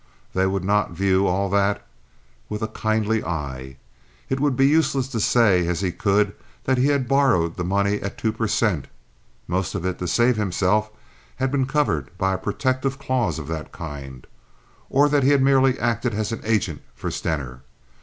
They would not view all that with a kindly eye. It would be useless to say, as he could, that he had borrowed the money at two per cent. (most of it, to save himself, had been covered by a protective clause of that kind), or that he had merely acted as an agent for Stener.